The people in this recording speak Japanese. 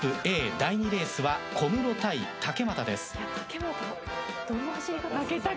第２レースは小室対竹俣です。